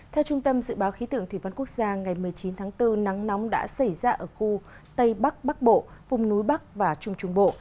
theo trung tâm dự báo khí tượng thủy văn quốc gia ngày một mươi chín tháng bốn nắng nóng đã xảy ra ở khu tây bắc bắc bộ vùng núi bắc và trung trung bộ